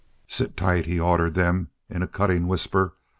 "Sit tight!" he ordered them in a cutting whisper.